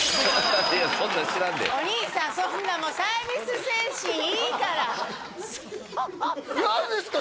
いやそんなん知らんでお兄さんそんなもうサービス精神いいから何ですか？